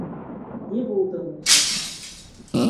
— Ни булды, Муса?